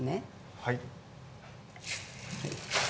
はい。